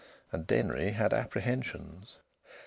And Denry had apprehensions....